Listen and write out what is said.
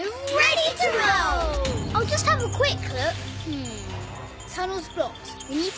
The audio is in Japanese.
うん！